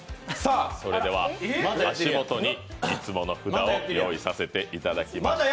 それでは、足元にいつもの札をご用意させていただきました。